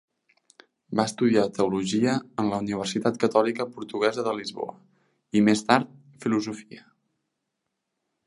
Va estudiar Teologia en la Universitat Catòlica Portuguesa de Lisboa i més tard, Filosofia.